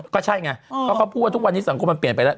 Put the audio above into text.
ก็ใช่ไงเพราะเขาพูดว่าทุกวันนี้สังคมมันเปลี่ยนไปแล้ว